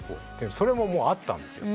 それももうあったんですよ。